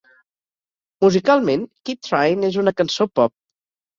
Musicalment, "Keep Tryin" és una cançó pop.